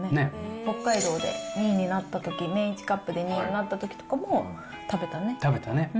北海道で２位になったとき、メイジカップで２位になったときとかも、食べ食べたね。